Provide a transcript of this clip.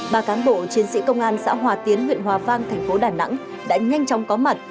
ba cán bộ chiến sĩ công an xã hòa tiến huyện hòa vang thành phố đà nẵng đã nhanh chóng có mặt